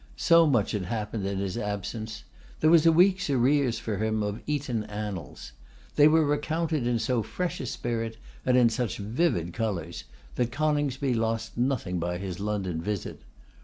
So much had happened in his absence! There was a week's arrears for him of Eton annals. They were recounted in so fresh a spirit, and in such vivid colours, that Coningsby lost nothing by his London visit.